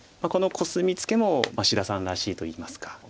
このコスミツケも志田さんらしいといいますか。